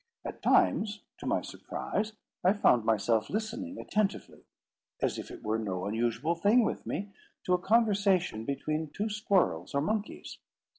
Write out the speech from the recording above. At times, to my surprise, I found myself listening attentively, and as if it were no unusual thing with me, to a conversation between two squirrels or monkeys.